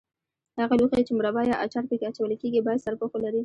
هغه لوښي چې مربا یا اچار په کې اچول کېږي باید سرپوښ ولري.